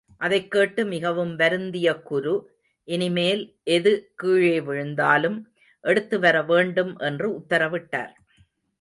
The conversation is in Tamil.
அதைக் கேட்டு மிகவும் வருந்திய குரு, இனிமேல் எது கீழே விழுந்தாலும் எடுத்து வரவேண்டும் என்று உத்தரவிட்டார்.